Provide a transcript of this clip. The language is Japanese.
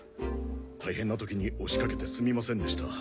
大変な時に押しかけてすみませんでした。